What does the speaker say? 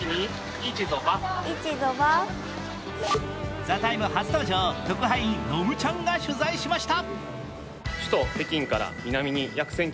「ＴＨＥＴＩＭＥ，」初登場、特派員、のむちゃんが取材しました。